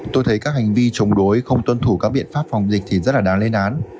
tôi thấy các hành vi chống đối không tuân thủ các biện pháp phòng dịch thì rất là đáng lên án